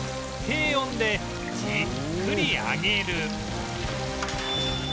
低温でじっくり揚げる